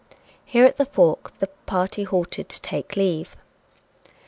Here, at the fork, the party halted to take leave.